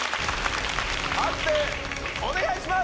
判定お願いします！